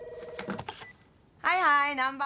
☎はいはい難破。